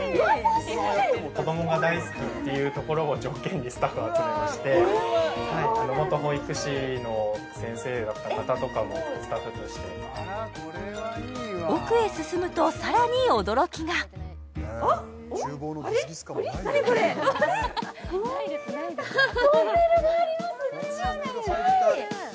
子どもが大好きっていうところを条件にスタッフを集めまして元保育士の先生だった方とかもスタッフとして奥へ進むとさらに驚きがトンネルがありますねちっちゃい！